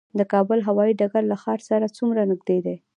د کابل هوايي ډګر له ښار سره څومره نږدې دی؟